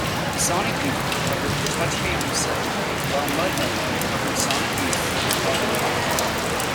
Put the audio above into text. Sonic Youth covered "Touch Me I'm Sick" while Mudhoney covered Sonic Youth's "Halloween".